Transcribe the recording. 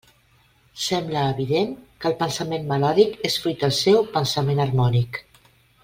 Sembla evident que el pensament melòdic és fruit del seu pensament harmònic.